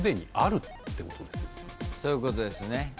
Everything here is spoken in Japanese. そういうことですね。